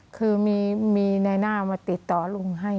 คือมีในหน้ามาติดต่อลุงให้